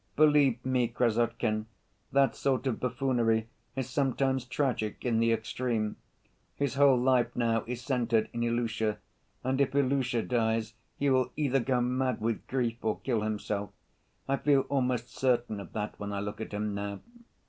Believe me, Krassotkin, that sort of buffoonery is sometimes tragic in the extreme. His whole life now is centered in Ilusha, and if Ilusha dies, he will either go mad with grief or kill himself. I feel almost certain of that when I look at him now."